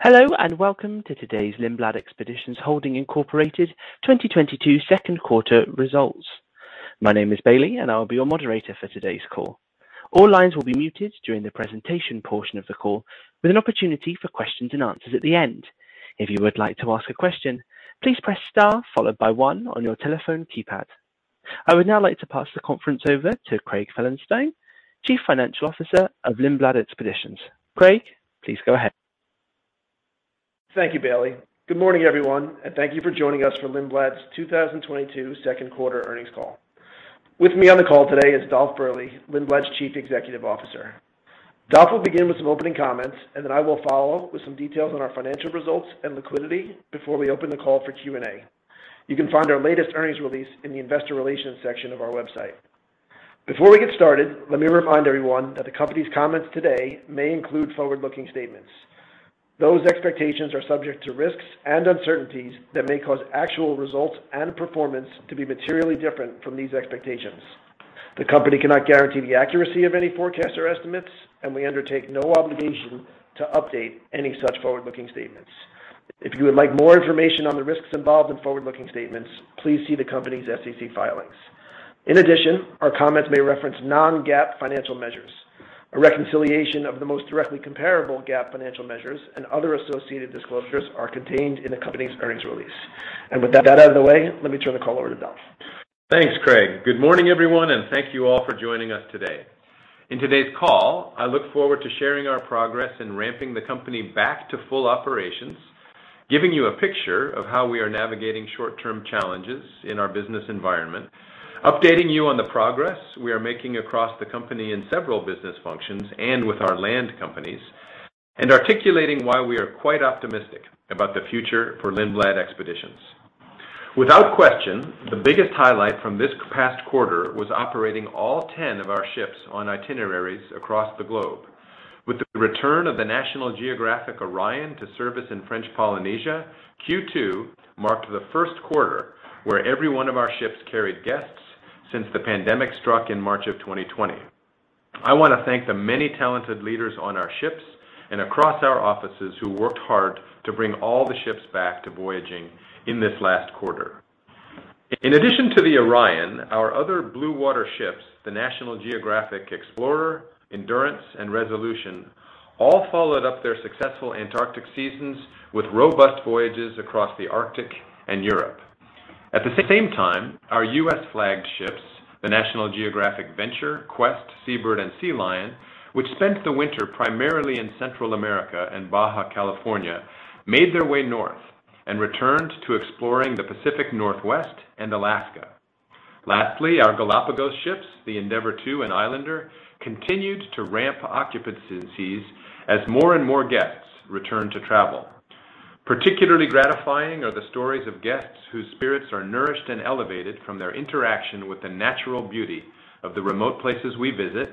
Hello, and welcome to today's Lindblad Expeditions Holdings, Inc. 2022 2nd quarter results. My name is Bailey, and I'll be your moderator for today's call. All lines will be muted during the presentation portion of the call, with an opportunity for questions and answers at the end. If you would like to ask a question, please press star followed by 1 on your telephone keypad. I would now like to pass the conference over to Craig Felenstein, Chief Financial Officer of Lindblad Expeditions. Craig, please go ahead. Thank you, Bailey. Good morning, everyone, and thank you for joining us for Lindblad's 2022 2nd quarter earnings call. With me on the call today is Dolf Berle, Lindblad's Chief Executive Officer. Dolf will begin with some opening comments, and then I will follow with some details on our financial results and liquidity before we open the call for Q&A. You can find our latest earnings release in the investor relations section of our website. Before we get started, let me remind everyone that the company's comments today may include forward-looking statements. Those expectations are subject to risks and uncertainties that may cause actual results and performance to be materially different from these expectations. The company cannot guarantee the accuracy of any forecasts or estimates, and we undertake no obligation to update any such forward-looking statements. If you would like more information on the risks involved in forward-looking statements, please see the company's SEC filings. In addition, our comments may reference non-GAAP financial measures. A reconciliation of the most directly comparable GAAP financial measures and other associated disclosures are contained in the company's earnings release. With that out of the way, let me turn the call over to Dolf. Thanks, Craig. Good morning, everyone, and thank you all for joining us today. In today's call, I look forward to sharing our progress in ramping the company back to full operations, giving you a picture of how we are navigating short-term challenges in our business environment, updating you on the progress we are making across the company in several business functions and with our land companies, and articulating why we are quite optimistic about the future for Lindblad Expeditions. Without question, the biggest highlight from this past quarter was operating all 10 of our ships on itineraries across the globe. With the return of the National Geographic Orion to service in French Polynesia, Q2 marked the first quarter where every one of our ships carried guests since the pandemic struck in March of 2020. I wanna thank the many talented leaders on our ships and across our offices who worked hard to bring all the ships back to voyaging in this last quarter. In addition to the Orion, our other blue water ships, the National Geographic Explorer, Endurance, and Resolution, all followed up their successful Antarctic seasons with robust voyages across the Arctic and Europe. At the same time, our U.S. flagged ships, the National Geographic Venture, Quest, Sea Bird, and Sea Lion, which spent the winter primarily in Central America and Baja California, made their way north and returned to exploring the Pacific Northwest and Alaska. Lastly, our Galápagos ships, the National Geographic Endeavour II and Islander, continued to ramp occupancies as more and more guests return to travel. Particularly gratifying are the stories of guests whose spirits are nourished and elevated from their interaction with the natural beauty of the remote places we visit,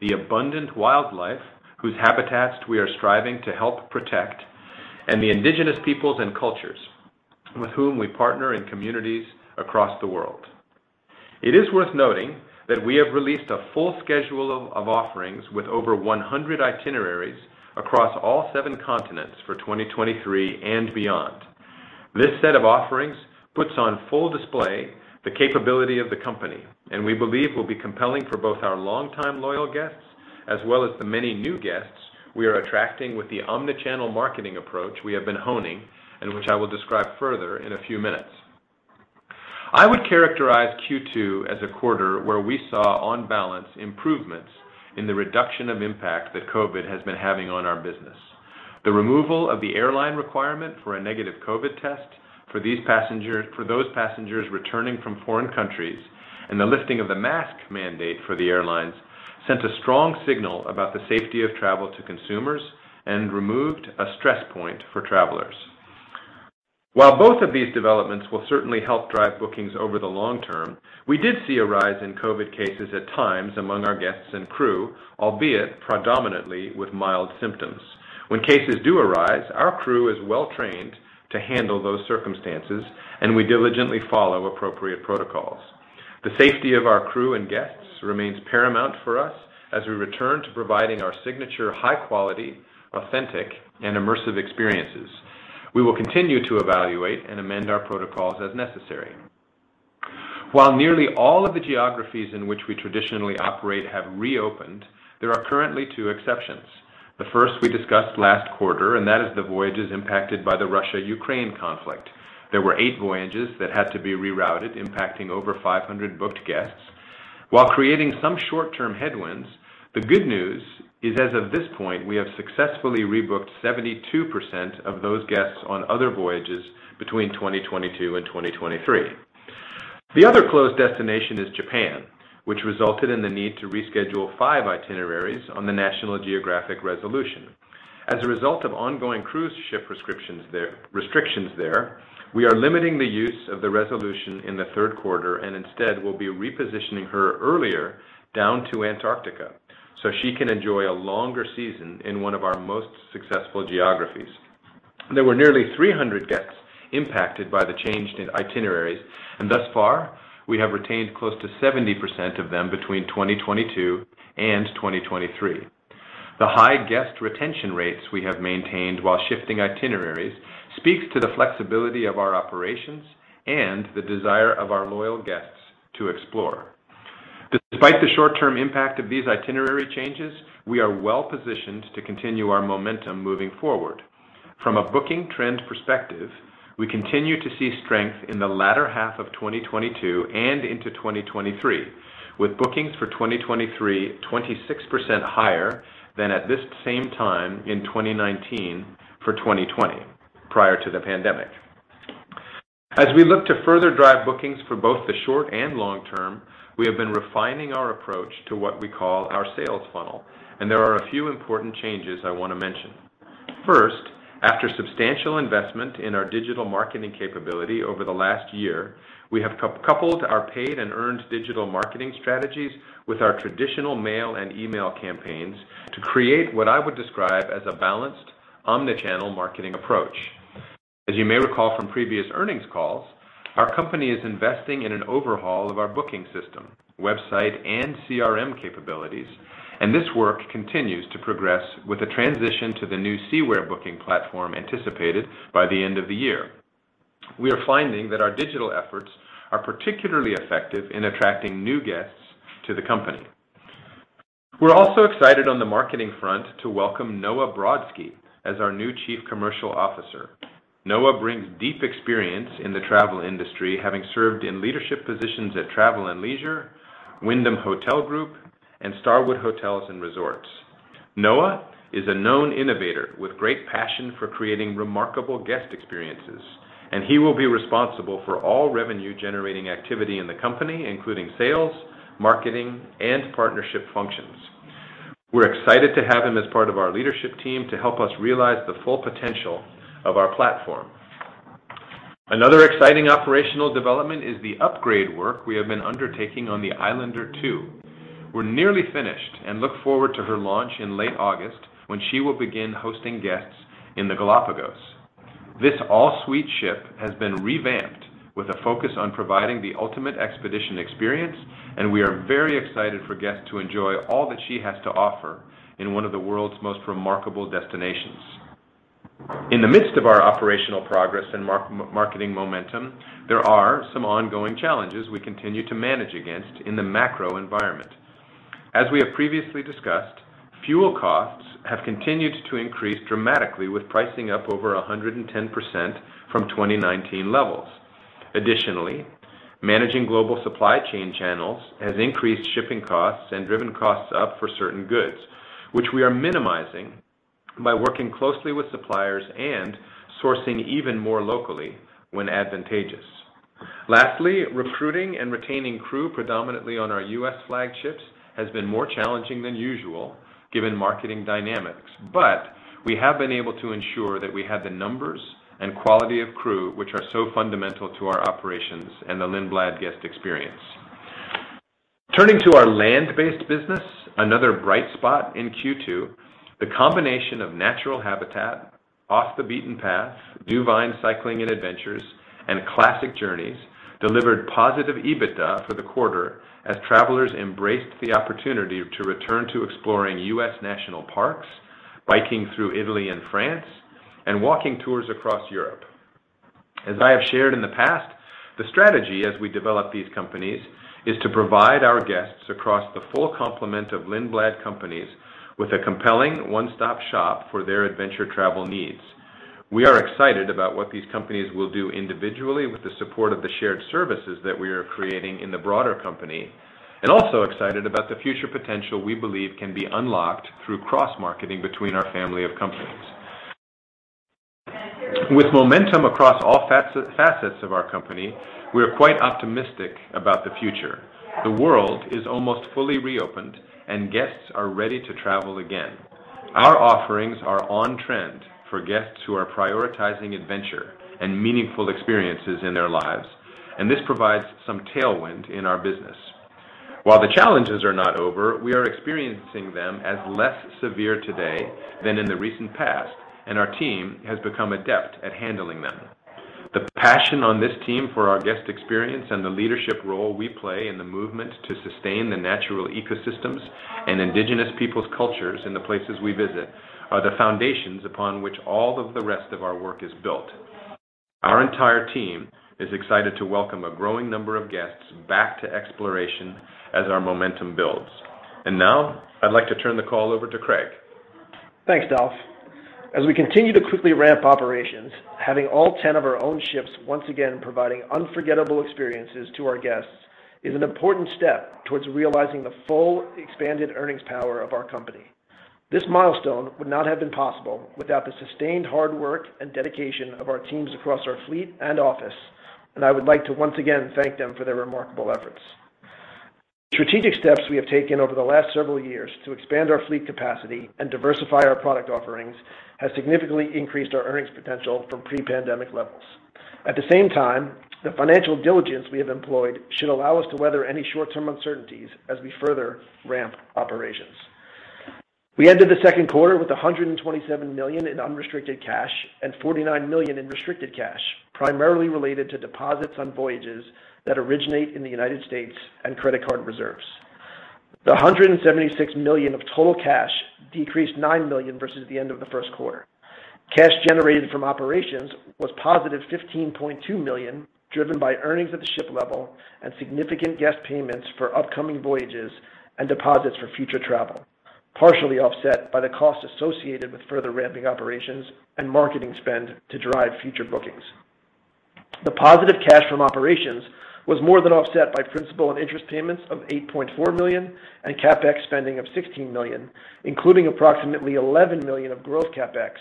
the abundant wildlife whose habitats we are striving to help protect, and the indigenous peoples and cultures with whom we partner in communities across the world. It is worth noting that we have released a full schedule of offerings with over 100 itineraries across all seven continents for 2023 and beyond. This set of offerings puts on full display the capability of the company and we believe will be compelling for both our longtime loyal guests, as well as the many new guests we are attracting with the omni-channel marketing approach we have been honing and which I will describe further in a few minutes. I would characterize Q2 as a quarter where we saw on balance improvements in the reduction of impact that COVID has been having on our business. The removal of the airline requirement for a negative COVID test for those passengers returning from foreign countries and the lifting of the mask mandate for the airlines sent a strong signal about the safety of travel to consumers and removed a stress point for travelers. While both of these developments will certainly help drive bookings over the long term, we did see a rise in COVID cases at times among our guests and crew, albeit predominantly with mild symptoms. When cases do arise, our crew is well-trained to handle those circumstances, and we diligently follow appropriate protocols. The safety of our crew and guests remains paramount for us as we return to providing our signature high quality, authentic, and immersive experiences. We will continue to evaluate and amend our protocols as necessary. While nearly all of the geographies in which we traditionally operate have reopened, there are currently two exceptions. The first we discussed last quarter, and that is the voyages impacted by the Russia-Ukraine conflict. There were 8 voyages that had to be rerouted, impacting over 500 booked guests. While creating some short-term headwinds, the good news is as of this point, we have successfully rebooked 72% of those guests on other voyages between 2022 and 2023. The other closed destination is Japan, which resulted in the need to reschedule 5 itineraries on the National Geographic Resolution. As a result of ongoing cruise ship restrictions there, we are limiting the use of the Resolution in the third quarter, and instead, we'll be repositioning her earlier down to Antarctica so she can enjoy a longer season in one of our most successful geographies. There were nearly 300 guests impacted by the change in itineraries, and thus far, we have retained close to 70% of them between 2022 and 2023. The high guest retention rates we have maintained while shifting itineraries speaks to the flexibility of our operations and the desire of our loyal guests to explore. Despite the short-term impact of these itinerary changes, we are well-positioned to continue our momentum moving forward. From a booking trend perspective, we continue to see strength in the latter half of 2022 and into 2023, with bookings for 2023 26% higher than at this same time in 2019 for 2020, prior to the pandemic. As we look to further drive bookings for both the short and long term, we have been refining our approach to what we call our sales funnel, and there are a few important changes I wanna mention. First, after substantial investment in our digital marketing capability over the last year, we have coupled our paid and earned digital marketing strategies with our traditional mail and email campaigns to create what I would describe as a balanced omni-channel marketing approach. As you may recall from previous earnings calls, our company is investing in an overhaul of our booking system, website, and CRM capabilities, and this work continues to progress with a transition to the new SeaWare booking platform anticipated by the end of the year. We are finding that our digital efforts are particularly effective in attracting new guests to the company. We're also excited on the marketing front to welcome Noah Brodsky as our new Chief Commercial Officer. Noah brings deep experience in the travel industry, having served in leadership positions at Travel + Leisure, Wyndham Hotel Group, and Starwood Hotels and Resorts. Noah is a known innovator with great passion for creating remarkable guest experiences, and he will be responsible for all revenue-generating activity in the company, including sales, marketing, and partnership functions. We're excited to have him as part of our leadership team to help us realize the full potential of our platform. Another exciting operational development is the upgrade work we have been undertaking on the Islander II. We're nearly finished and look forward to her launch in late August, when she will begin hosting guests in the Galápagos. This all-suite ship has been revamped with a focus on providing the ultimate expedition experience, and we are very excited for guests to enjoy all that she has to offer in one of the world's most remarkable destinations. In the midst of our operational progress and marketing momentum, there are some ongoing challenges we continue to manage against in the macro environment. As we have previously discussed, fuel costs have continued to increase dramatically, with pricing up over 110% from 2019 levels. Additionally, managing global supply chain channels has increased shipping costs and driven costs up for certain goods, which we are minimizing by working closely with suppliers and sourcing even more locally when advantageous. Lastly, recruiting and retaining crew predominantly on our U.S. flagship has been more challenging than usual given marketing dynamics, but we have been able to ensure that we have the numbers and quality of crew which are so fundamental to our operations and the Lindblad guest experience. Turning to our land-based business, another bright spot in Q2, the combination of Natural Habitat Adventures, Off the Beaten Path, DuVine Cycling + Adventure Co., and Classic Journeys delivered positive EBITDA for the quarter as travelers embraced the opportunity to return to exploring U.S. national parks, biking through Italy and France, and walking tours across Europe. As I have shared in the past, the strategy as we develop these companies is to provide our guests across the full complement of Lindblad companies with a compelling one-stop shop for their adventure travel needs. We are excited about what these companies will do individually with the support of the shared services that we are creating in the broader company, and also excited about the future potential we believe can be unlocked through cross-marketing between our family of companies. With momentum across all facets of our company, we are quite optimistic about the future. The world is almost fully reopened, and guests are ready to travel again. Our offerings are on trend for guests who are prioritizing adventure and meaningful experiences in their lives, and this provides some tailwind in our business. While the challenges are not over, we are experiencing them as less severe today than in the recent past, and our team has become adept at handling them. The passion on this team for our guest experience and the leadership role we play in the movement to sustain the natural ecosystems and indigenous people's cultures in the places we visit are the foundations upon which all of the rest of our work is built. Our entire team is excited to welcome a growing number of guests back to exploration as our momentum builds. Now I'd like to turn the call over to Craig. Thanks, Dolf. As we continue to quickly ramp operations, having all 10 of our own ships once again providing unforgettable experiences to our guests is an important step towards realizing the full expanded earnings power of our company. This milestone would not have been possible without the sustained hard work and dedication of our teams across our fleet and office, and I would like to once again thank them for their remarkable efforts. Strategic steps we have taken over the last several years to expand our fleet capacity and diversify our product offerings has significantly increased our earnings potential from pre-pandemic levels. At the same time, the financial diligence we have employed should allow us to weather any short-term uncertainties as we further ramp operations. We ended the 2nd quarter with $127 million in unrestricted cash and $49 million in restricted cash, primarily related to deposits on voyages that originate in the United States and credit card reserves. The $176 million of total cash decreased $9 million versus the end of the first quarter. Cash generated from operations was positive $15.2 million, driven by earnings at the ship level and significant guest payments for upcoming voyages and deposits for future travel, partially offset by the cost associated with further ramping operations and marketing spend to drive future bookings. The positive cash from operations was more than offset by principal and interest payments of $8.4 million and CapEx spending of $16 million, including approximately $11 million of growth CapEx,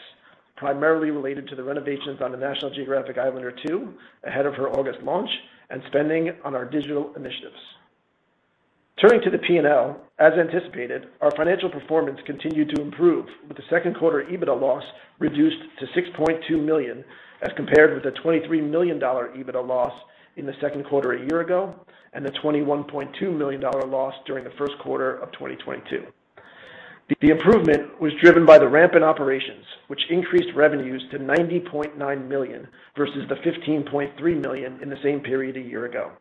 primarily related to the renovations on the National Geographic Islander II ahead of her August launch and spending on our digital initiatives. Turning to the P&L, as anticipated, our financial performance continued to improve, with the 2nd quarter EBITDA loss reduced to $6.2 million as compared with a $23 million EBITDA loss in the 2nd quarter a year ago and a $21.2 million EBITDA loss during the 1st quarter of 2022. The improvement was driven by the ramp in operations, which increased revenues to $90.9 million versus the $15.3 million in the same period a year ago,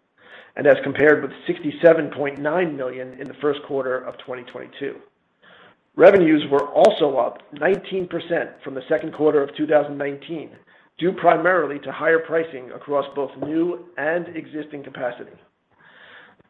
and as compared with $67.9 million in the first quarter of 2022. Revenues were also up 19% from the 2nd quarter of 2019 due primarily to higher pricing across both new and existing capacity.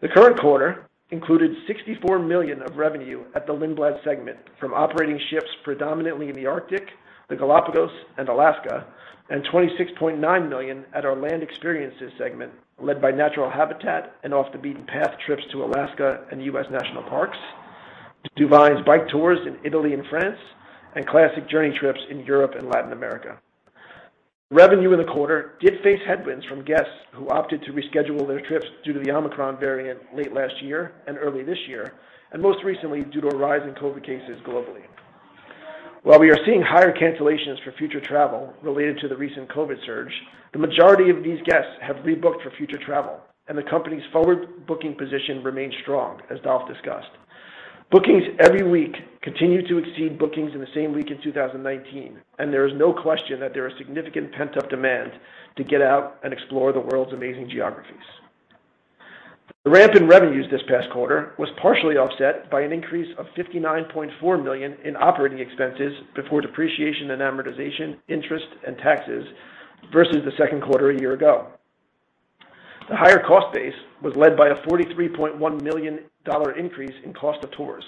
The current quarter included $64 million of revenue at the Lindblad segment from operating ships predominantly in the Arctic, the Galápagos, and Alaska, and $26.9 million at our Land Experiences segment, led by Natural Habitat and Off the Beaten Path trips to Alaska and U.S. national parks, DuVine's bike tours in Italy and France, and Classic Journeys trips in Europe and Latin America. Revenue in the quarter did face headwinds from guests who opted to reschedule their trips due to the Omicron variant late last year and early this year, and most recently, due to a rise in COVID cases globally. While we are seeing higher cancellations for future travel related to the recent COVID surge, the majority of these guests have rebooked for future travel, and the company's forward-booking position remains strong, as Dolf discussed. Bookings every week continue to exceed bookings in the same week in 2019, and there is no question that there is significant pent-up demand to get out and explore the world's amazing geographies. The ramp in revenues this past quarter was partially offset by an increase of $59.4 million in operating expenses before depreciation and amortization, interest, and taxes versus the 2nd quarter a year ago. The higher cost base was led by a $43.1 million increase in cost of tours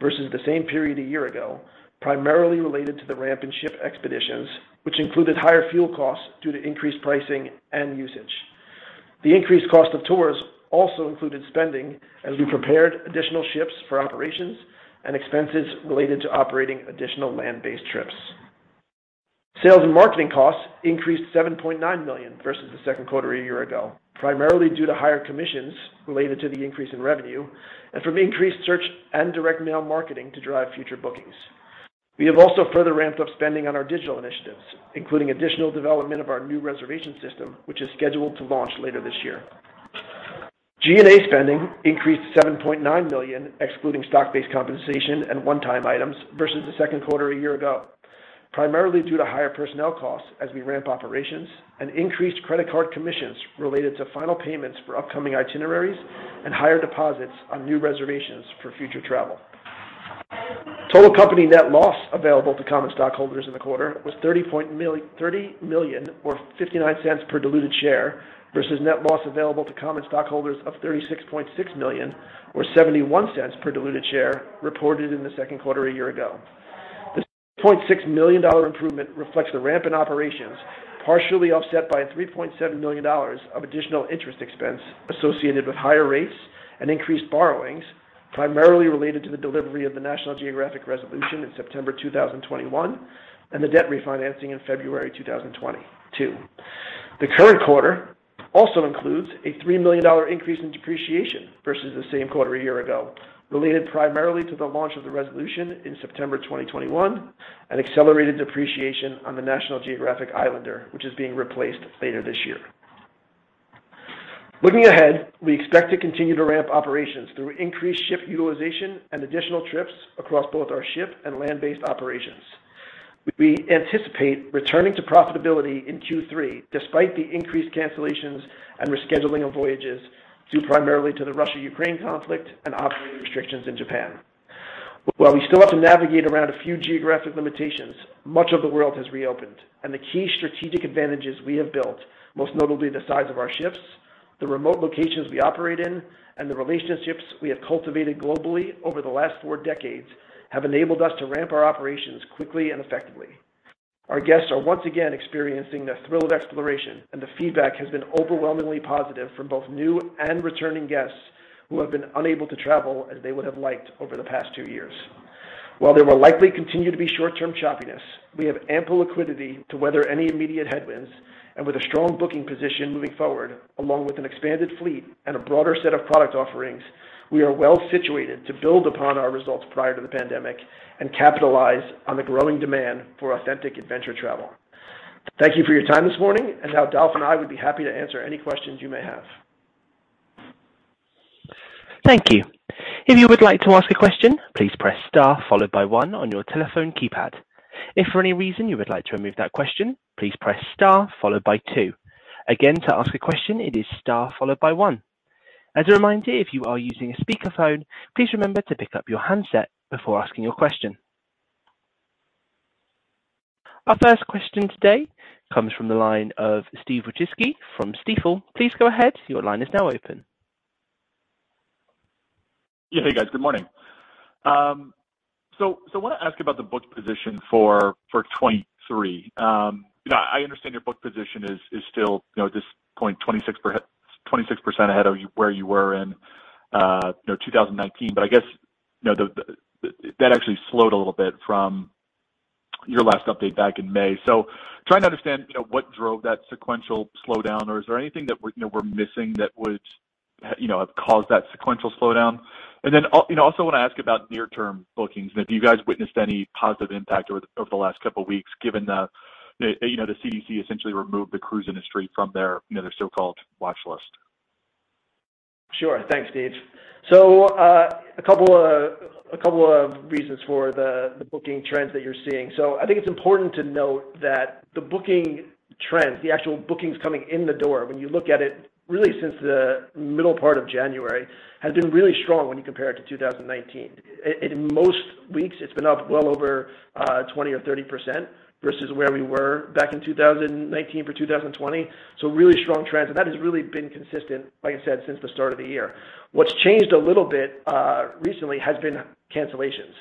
versus the same period a year ago, primarily related to the ramp in ship expeditions, which included higher fuel costs due to increased pricing and usage. The increased cost of tours also included spending as we prepared additional ships for operations and expenses related to operating additional land-based trips. Sales and marketing costs increased $7.9 million versus the 2nd quarter a year ago, primarily due to higher commissions related to the increase in revenue and from increased search and direct mail marketing to drive future bookings. We have also further ramped up spending on our digital initiatives, including additional development of our new reservation system, which is scheduled to launch later this year. G&A spending increased to $7.9 million, excluding stock-based compensation and one-time items versus the 2nd quarter a year ago, primarily due to higher personnel costs as we ramp operations and increased credit card commissions related to final payments for upcoming itineraries and higher deposits on new reservations for future travel. Total company net loss available to common stockholders in the quarter was $30 million or $0.59 per diluted share versus net loss available to common stockholders of $36.6 million or $0.71 per diluted share reported in the 2nd quarter a year ago. This $0.6 million improvement reflects the ramp in operations, partially offset by $3.7 million of additional interest expense associated with higher rates and increased borrowings, primarily related to the delivery of the National Geographic Resolution in September 2021 and the debt refinancing in February 2022. The current quarter also includes a $3 million increase in depreciation versus the same quarter a year ago, related primarily to the launch of the Resolution in September 2021 and accelerated depreciation on the National Geographic Islander, which is being replaced later this year. Looking ahead, we expect to continue to ramp operations through increased ship utilization and additional trips across both our ship and land-based operations. We anticipate returning to profitability in Q3 despite the increased cancellations and rescheduling of voyages due primarily to the Russia-Ukraine conflict and operating restrictions in Japan. While we still have to navigate around a few geographic limitations, much of the world has reopened, and the key strategic advantages we have built, most notably the size of our ships, the remote locations we operate in, and the relationships we have cultivated globally over the last four decades, have enabled us to ramp our operations quickly and effectively. Our guests are once again experiencing the thrill of exploration, and the feedback has been overwhelmingly positive from both new and returning guests who have been unable to travel as they would have liked over the past 2 years. While there will likely continue to be short-term choppiness, we have ample liquidity to weather any immediate headwinds. With a strong booking position moving forward, along with an expanded fleet and a broader set of product offerings, we are well-situated to build upon our results prior to the pandemic and capitalize on the growing demand for authentic adventure travel. Thank you for your time this morning, and now Dolf and I would be happy to answer any questions you may have. Thank you. If you would like to ask a question, please press Star followed by one on your telephone keypad. If for any reason you would like to remove that question, please press Star followed by 2. Again, to ask a question, it is Star followed by 1. As a reminder, if you are using a speakerphone, please remember to pick up your handset before asking your question. Our first question today comes from the line of Steve Wieczynski from Stifel. Please go ahead. Your line is now open. Yeah. Hey, guys. Good morning. I want to ask about the book position for 2023. You know, I understand your book position is still, you know, at this point 26% ahead of where you were in, you know, 2019. I guess, you know, that actually slowed a little bit from your last update back in May. Trying to understand, you know, what drove that sequential slowdown or is there anything that we're, you know, missing that would, you know, have caused that sequential slowdown. I also want to ask about near-term bookings, and if you guys witnessed any positive impact over the last couple weeks, given the, you know, the CDC essentially removed the cruise industry from their, you know, their so-called watchlist. Sure. Thanks, Steve. A couple of reasons for the booking trends that you're seeing. I think it's important to note that the booking trends, the actual bookings coming in the door when you look at it, really since the middle part of January, has been really strong when you compare it to 2019. In most weeks, it's been up well over 20% or 30% versus where we were back in 2019 for 2020. Really strong trends. That has really been consistent, like I said, since the start of the year. What's changed a little bit recently has been cancellations.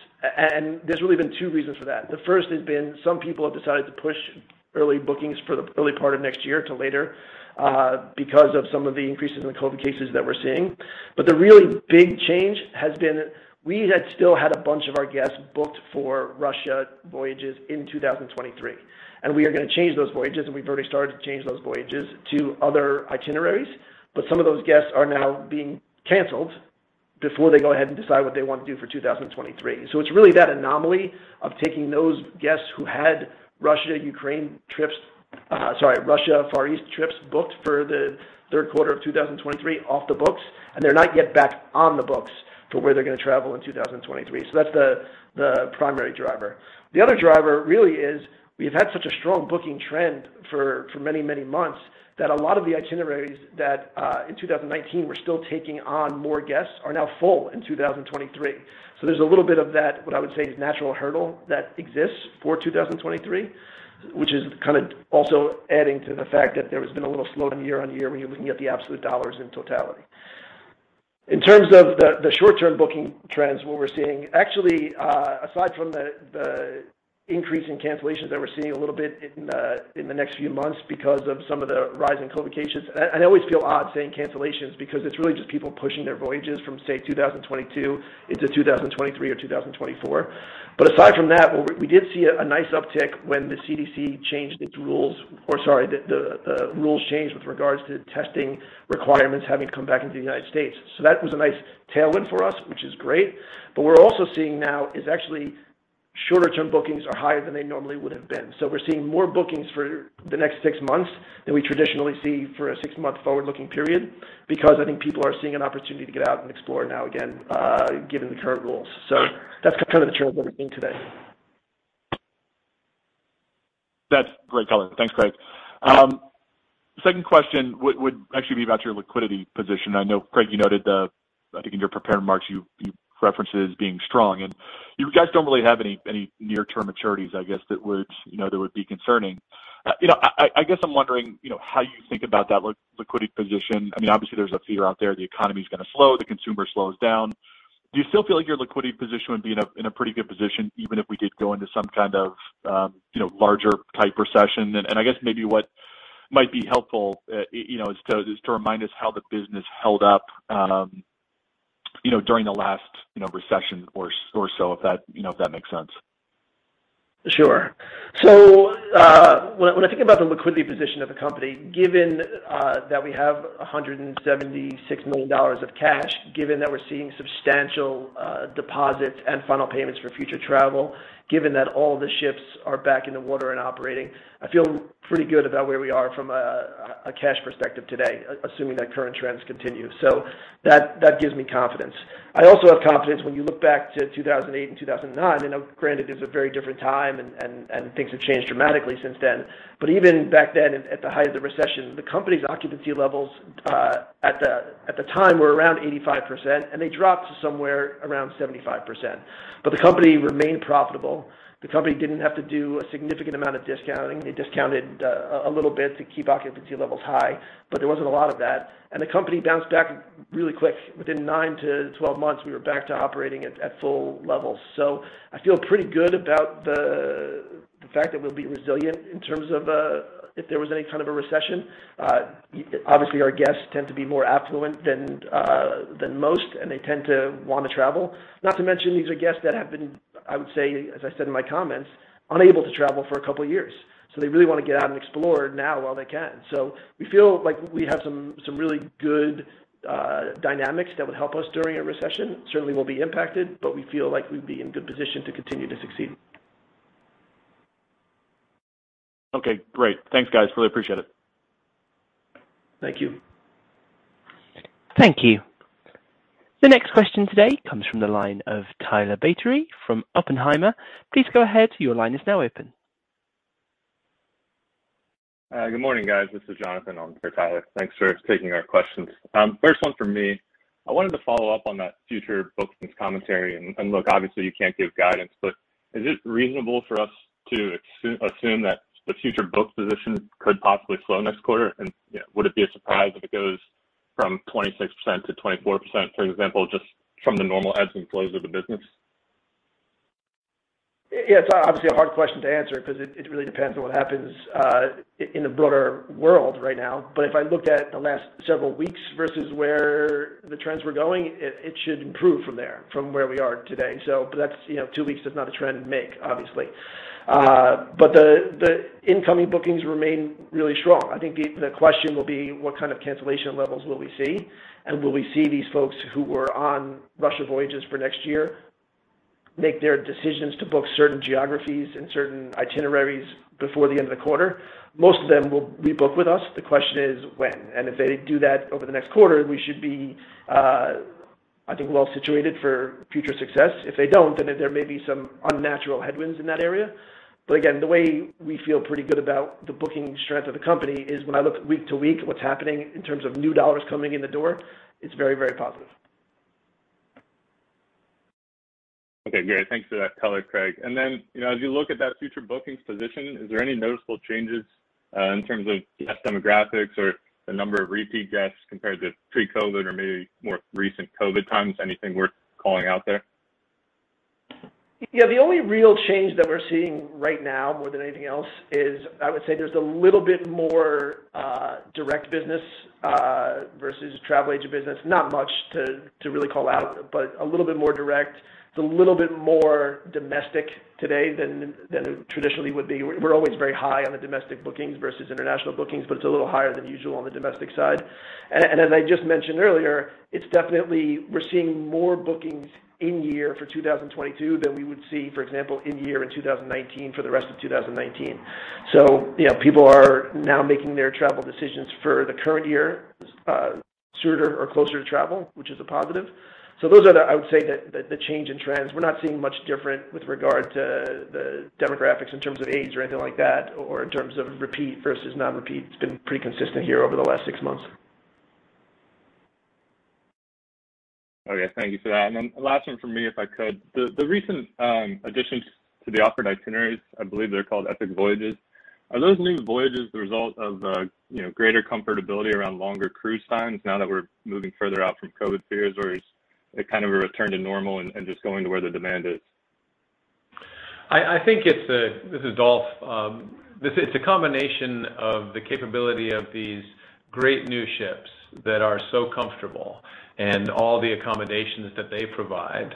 There's really been 2 reasons for that. The first has been some people have decided to push early bookings for the early part of next year to later, because of some of the increases in the COVID cases that we're seeing. The really big change has been we still had a bunch of our guests booked for Russia voyages in 2023, and we are gonna change those voyages, and we've already started to change those voyages to other itineraries. Some of those guests are now being canceled before they go ahead and decide what they want to do for 2023. It's really that anomaly of taking those guests who had Russia, Ukraine trips. Sorry, Russia Far East trips booked for the third quarter of 2023 off the books, and they're not yet back on the books for where they're gonna travel in 2023. That's the primary driver. The other driver really is we've had such a strong booking trend for many, many months that a lot of the itineraries that in 2019 were still taking on more guests are now full in 2023. There's a little bit of that, what I would say is natural hurdle that exists for 2023, which is kind of also adding to the fact that there has been a little slowdown year-on-year when you're looking at the absolute dollars in totality. In terms of the short-term booking trends, what we're seeing actually, aside from the increase in cancellations that we're seeing a little bit in the next few months because of some of the rise in COVID cases. I always feel odd saying cancellations because it's really just people pushing their voyages from, say, 2022 into 2023 or 2024. Aside from that, we did see a nice uptick when the rules changed with regards to testing requirements having to come back into the United States. That was a nice tailwind for us, which is great. We're also seeing now is actually shorter term bookings are higher than they normally would have been. We're seeing more bookings for the next six months than we traditionally see for a six-month forward-looking period because I think people are seeing an opportunity to get out and explore now again, given the current rules. That's kind of the trends that we're seeing today. That's great color. Thanks, Craig. Second question would actually be about your liquidity position. I know Craig you noted. I think in your prepared remarks you referenced it as being strong and you guys don't really have any near-term maturities I guess that would, you know, that would be concerning. You know, I guess I'm wondering, you know, how you think about that liquidity position. I mean, obviously there's a fear out there the economy's gonna slow, the consumer slows down. Do you still feel like your liquidity position would be in a pretty good position even if we did go into some kind of, you know, larger type recession? I guess maybe what might be helpful, you know, is to remind us how the business held up, you know, during the last, you know, recession or so, if that, you know, if that makes sense. Sure. When I think about the liquidity position of the company, given that we have $176 million of cash, given that we're seeing substantial deposits and final payments for future travel, given that all the ships are back in the water and operating, I feel pretty good about where we are from a cash perspective today, assuming that current trends continue. That gives me confidence. I also have confidence when you look back to 2008 and 2009. I know, granted it was a very different time and things have changed dramatically since then. Even back then at the height of the recession, the company's occupancy levels at the time were around 85% and they dropped to somewhere around 75%, but the company remained profitable. The company didn't have to do a significant amount of discounting. They discounted a little bit to keep occupancy levels high, but there wasn't a lot of that, and the company bounced back really quick. Within 9 to 12 months, we were back to operating at full levels. I feel pretty good about the fact that we'll be resilient in terms of if there was any kind of a recession. Obviously our guests tend to be more affluent than most, and they tend to wanna travel. Not to mention these are guests that have been, I would say, as I said in my comments, unable to travel for a couple years. They really wanna get out and explore now while they can. We feel like we have some really good dynamics that would help us during a recession. Certainly we'll be impacted, but we feel like we'd be in good position to continue to succeed. Okay, great. Thanks guys. Really appreciate it. Thank you. Thank you. The next question today comes from the line of Tyler Batory from Oppenheimer. Please go ahead. Your line is now open. Good morning, guys. This is Jonathan on for Tyler. Thanks for taking our questions. First one from me. I wanted to follow up on that future bookings commentary, and look, obviously you can't give guidance, but is it reasonable for us to assume that the future booking position could possibly slow next quarter? You know, would it be a surprise if it goes from 26% to 24%, for example, just from the normal ebbs and flows of the business? Yeah. It's obviously a hard question to answer because it really depends on what happens in the broader world right now. But if I looked at the last several weeks versus where the trends were going, it should improve from there where we are today. But that's, you know, 2 weeks does not a trend make, obviously. But the incoming bookings remain really strong. I think the question will be what kind of cancellation levels will we see, and will we see these folks who were on Russia voyages for next year make their decisions to book certain geographies and certain itineraries before the end of the quarter? Most of them will rebook with us. The question is when. If they do that over the next quarter, we should be, I think, well situated for future success. If they don't, then there may be some unnatural headwinds in that area. Again, the way we feel pretty good about the booking strength of the company is when I look week to week, what's happening in terms of new dollars coming in the door, it's very, very positive. Okay, great. Thanks for that color, Craig. You know, as you look at that future bookings position, is there any noticeable changes in terms of guest demographics or the number of repeat guests compared to pre-COVID or maybe more recent COVID times? Anything worth calling out there? Yeah. The only real change that we're seeing right now more than anything else is I would say there's a little bit more direct business versus travel agent business. Not much to really call out, but a little bit more direct. It's a little bit more domestic today than it traditionally would be. We're always very high on the domestic bookings versus international bookings, but it's a little higher than usual on the domestic side. As I just mentioned earlier, it's definitely we're seeing more bookings this year for 2022 than we would see, for example, in 2019 for the rest of 2019. You know, people are now making their travel decisions for the current year sooner or closer to travel, which is a positive. Those are the I would say that the change in trends, we're not seeing much different with regard to the demographics in terms of age or anything like that, or in terms of repeat versus non-repeat. It's been pretty consistent here over the last 6 months. Okay. Thank you for that. Last one from me, if I could. The recent additions to the offered itineraries, I believe they're called Epic Voyages. Are those new voyages the result of you know, greater comfortability around longer cruise times now that we're moving further out from COVID fears? Or is it kind of a return to normal and just going to where the demand is? I think it's a. This is Dolf. This is a combination of the capability of these great new ships that are so comfortable and all the accommodations that they provide.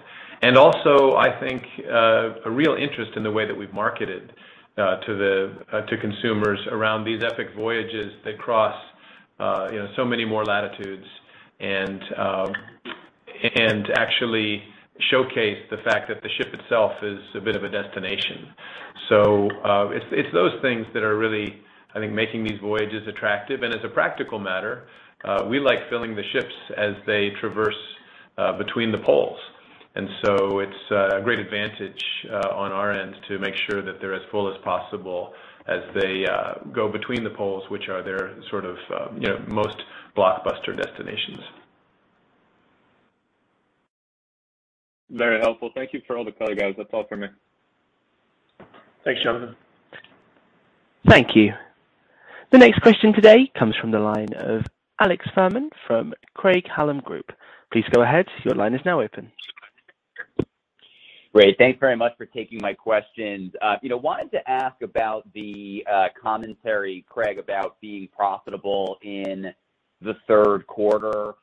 Also, I think a real interest in the way that we've marketed to consumers around these Epic Voyages. They cross you know so many more latitudes and actually showcase the fact that the ship itself is a bit of a destination. It's those things that are really, I think, making these voyages attractive. As a practical matter, we like filling the ships as they traverse between the poles. It's a great advantage on our end to make sure that they're as full as possible as they go between the poles, which are their sort of, you know, most blockbuster destinations. Very helpful. Thank you for all the color, guys. That's all for me. Thanks, Jonathan. Thank you. The next question today comes from the line of Alex Fuhrman from Craig-Hallum Group. Please go ahead. Your line is now open. Great. Thanks very much for taking my questions. You know, wanted to ask about the commentary, Craig, about being profitable in the third quarter.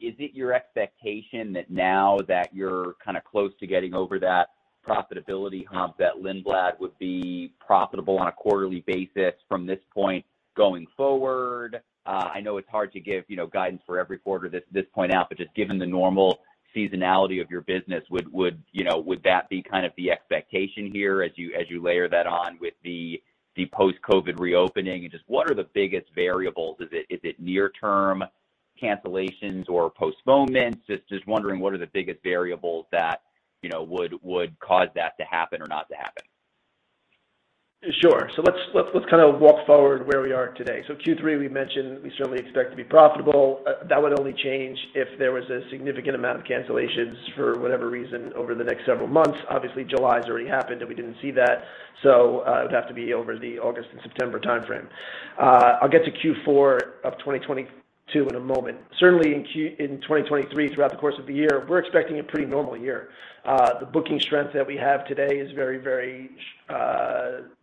Is it your expectation that now that you're kind of close to getting over that profitability hump, that Lindblad would be profitable on a quarterly basis from this point going forward? I know it's hard to give, you know, guidance for every quarter at this point, but just given the normal seasonality of your business, would you know, would that be kind of the expectation here as you layer that on with the post-COVID reopening? Just what are the biggest variables? Is it near-term cancellations or postponements? Just wondering what are the biggest variables that, you know, would cause that to happen or not to happen? Sure. Let's kind of walk forward where we are today. Q3 we mentioned we certainly expect to be profitable. That would only change if there was a significant amount of cancellations for whatever reason over the next several months. Obviously, July has already happened, and we didn't see that. It would have to be over the August and September timeframe. I'll get to Q4 of 2022 in a moment. Certainly in 2023, throughout the course of the year, we're expecting a pretty normal year. The booking strength that we have today is very, very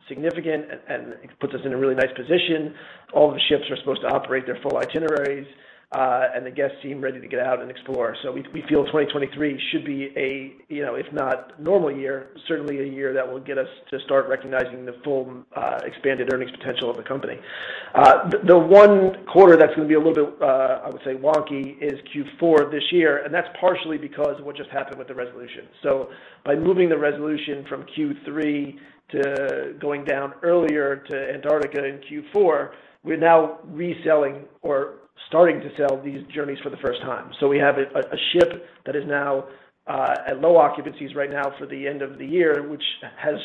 significant and it puts us in a really nice position. All the ships are supposed to operate their full itineraries, and the guests seem ready to get out and explore. We feel 2023 should be a, you know, if not normal year, certainly a year that will get us to start recognizing the full, expanded earnings potential of the company. The one quarter that's gonna be a little bit, I would say wonky is Q4 this year, and that's partially because of what just happened with the Resolution. By moving the Resolution from Q3 to going down earlier to Antarctica in Q4, we're now reselling or starting to sell these journeys for the first time. We have a ship that is now at low occupancies right now for the end of the year, which has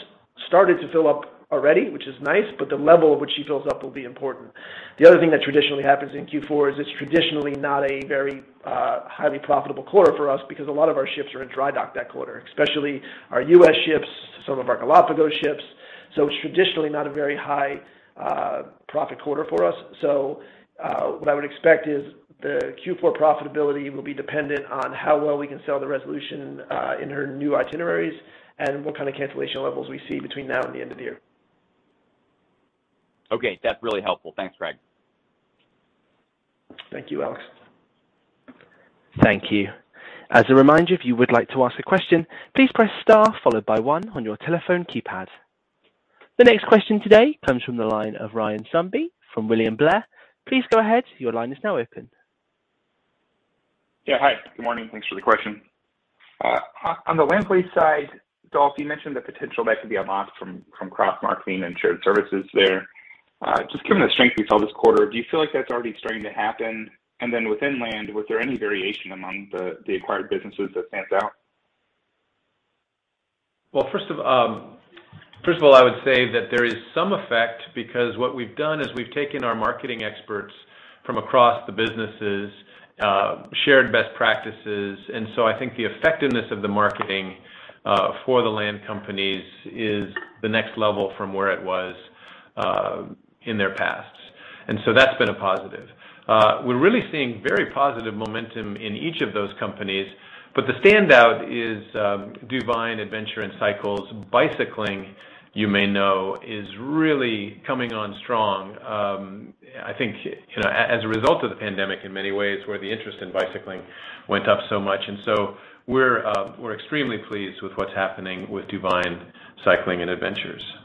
started to fill up already, which is nice, but the level at which she fills up will be important. The other thing that traditionally happens in Q4 is it's traditionally not a very highly profitable quarter for us because a lot of our ships are in dry dock that quarter, especially our U.S. ships, some of our Galápagos ships. It's traditionally not a very high profit quarter for us. What I would expect is the Q4 profitability will be dependent on how well we can sell the Resolution in her new itineraries and what kind of cancellation levels we see between now and the end of the year. Okay. That's really helpful. Thanks, Craig. Thank you, Alex. Thank you. As a reminder, if you would like to ask a question, please press star followed by one on your telephone keypad. The next question today comes from the line of Ryan Sundby from William Blair. Please go ahead. Your line is now open. Yeah, hi. Good morning. Thanks for the question. On the Land Experiences side, Dolf, you mentioned the potential that could be unlocked from cross-marketing and shared services there. Just given the strength we saw this quarter, do you feel like that's already starting to happen? Then within land, was there any variation among the acquired businesses that stands out? Well, first of all, I would say that there is some effect because what we've done is we've taken our marketing experts from across the businesses, shared best practices. I think the effectiveness of the marketing for the land companies is the next level from where it was in their past. That's been a positive. We're really seeing very positive momentum in each of those companies, but the standout is DuVine Cycling + Adventure Co. Bicycling, you may know, is really coming on strong. I think, you know, as a result of the pandemic in many ways, where the interest in bicycling went up so much. We're extremely pleased with what's happening with DuVine Cycling + Adventure Co.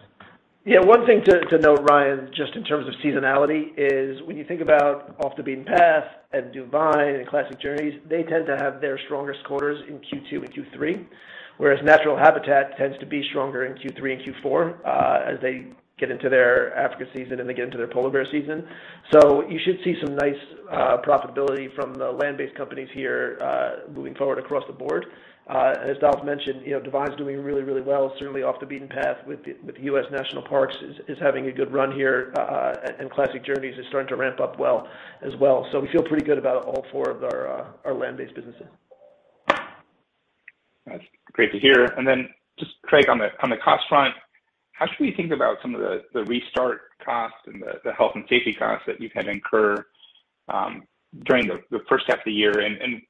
Yeah. One thing to note, Ryan, just in terms of seasonality is when you think about Off the Beaten Path and DuVine and Classic Journeys, they tend to have their strongest quarters in Q2 and Q3, whereas Natural Habitat tends to be stronger in Q3 and Q4, as they get into their Africa season and they get into their polar bear season. You should see some nice profitability from the land-based companies here, moving forward across the board. As Dolf mentioned, you know, DuVine's doing really, really well. Certainly Off the Beaten Path with the U.S. National Parks is having a good run here. Classic Journeys is starting to ramp up well as well. We feel pretty good about all four of our land-based businesses. That's great to hear. Just Craig, on the cost front, how should we think about some of the restart costs and the health and safety costs that you've had to incur during the first half of the year?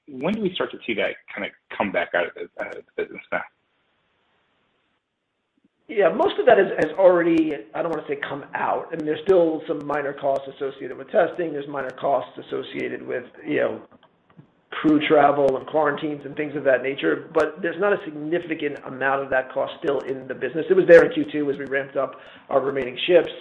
When do we start to see that kind of come back out of the business now? Most of that has already. I don't wanna say come out. I mean, there's still some minor costs associated with testing. There's minor costs associated with, you know, crew travel and quarantines and things of that nature. There's not a significant amount of that cost still in the business. It was there in Q2 as we ramped up our remaining ships.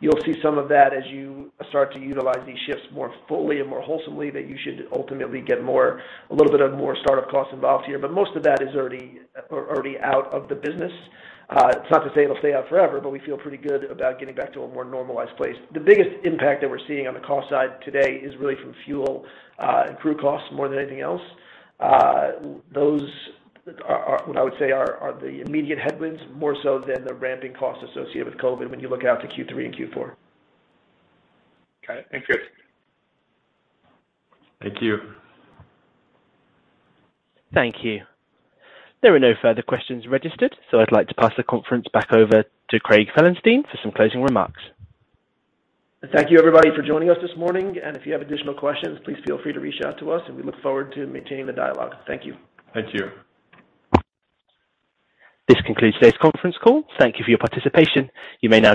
You'll see some of that as you start to utilize these ships more fully and more wholesomely, that you should ultimately get more, a little bit more startup costs involved here. Most of that is already out of the business. It's not to say it'll stay out forever, but we feel pretty good about getting back to a more normalized place. The biggest impact that we're seeing on the cost side today is really from fuel, and crew costs more than anything else. Those are what I would say are the immediate headwinds, more so than the ramping costs associated with COVID when you look out to Q3 and Q4. Got it. Thank you. Thank you. Thank you. There are no further questions registered, so I'd like to pass the conference back over to Craig Felenstein for some closing remarks. Thank you everybody for joining us this morning. If you have additional questions, please feel free to reach out to us, and we look forward to maintaining the dialogue. Thank you. Thank you. This concludes today's conference call. Thank you for your participation. You may now